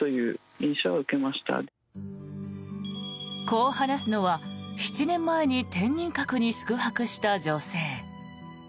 こう話すのは７年前に天人閣に宿泊した女性。